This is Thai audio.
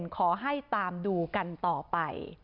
ขอให้ตามดูกันต่อไป